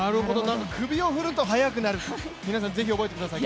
首を振ると速くなる、皆さんぜひ覚えてください。